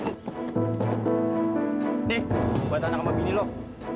deh buat anak sama bini loh